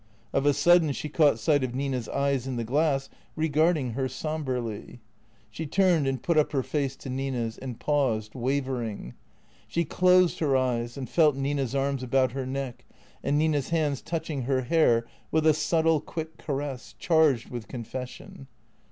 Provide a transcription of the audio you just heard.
Of a sudden she caught sight of Nina's eyes in the glass regarding her sombrely. She turned and put up her face to Nina's, and paused, wavering. She closed her eyes and felt Nina's arms about her neck, and Nina's hands touching her hair with a subtle, quick caress, charged with confession.